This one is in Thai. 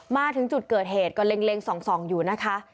มาถึงจุดเกิดเหตุก็เล็งส่องอยู่นะคะ